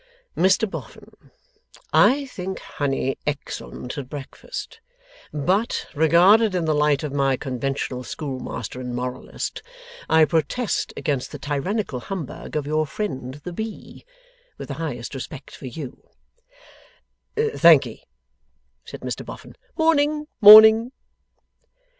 Mr Boffin, I think honey excellent at breakfast; but, regarded in the light of my conventional schoolmaster and moralist, I protest against the tyrannical humbug of your friend the bee. With the highest respect for you.' 'Thankee,' said Mr Boffin. 'Morning, morning!